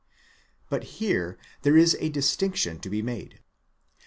But, here, there is a distinction to. be made.